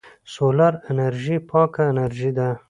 سولر انرژي پاکه انرژي ده.